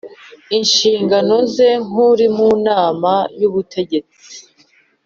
inshingano ze nk uri mu Nama y Ubutegetsi